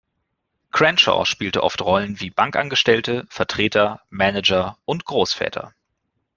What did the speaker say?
Cranshaw spielte oft Rollen wie Bankangestellte, Vertreter, Manager und Großväter.